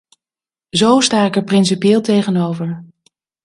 Zo sta ik er principieel tegenover.